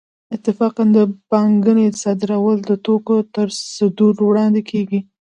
اتفاقاً د پانګې صادرول د توکو تر صدور وړاندې کېږي